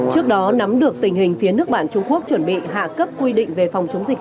trước đó nắm được tình hình phía nước bạn trung quốc chuẩn bị hạ cấp quy định về phòng chống dịch